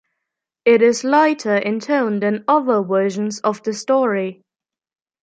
It is lighter in tone than other versions of the story.